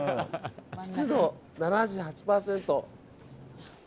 湿度７８％。